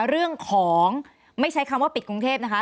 เรื่องของไม่ใช้คำว่าปิดกรุงเทพนะคะ